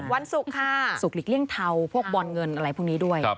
วันศุกร์ค่ะศุกร์หลีกเลี่ยงเทาพวกบอลเงินอะไรพวกนี้ด้วย